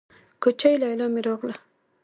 کوچۍ ليلا مې راغله.